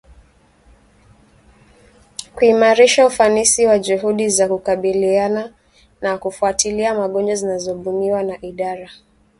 kuimarisha ufanisi wa juhudi za kukabiliana na kufuatilia magonjwa zinazobuniwa na Idara